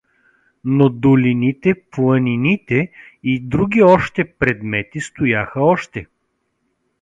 Но долините, планините и други още предмети стояха още.